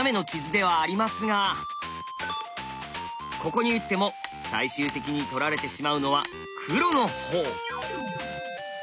ここに打っても最終的に取られてしまうのは黒のほう。